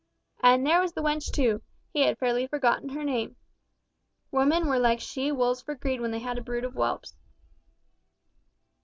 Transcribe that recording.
And there was the wench too—he had fairly forgotten her name. Women were like she wolves for greed when they had a brood of whelps.